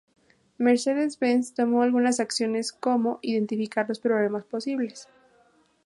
Mercedes-Benz tomó algunas acciones como, identificar los problemas posibles.